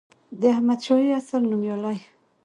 د احمدشاهي عصر نوميالي